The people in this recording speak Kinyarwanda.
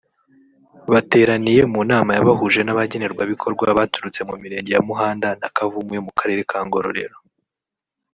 bateraniye mu nama yabahuje n’abagenerwabikorwa baturutse mu mirenge ya Muhanda na Kavumu yo mu karere ka Ngororero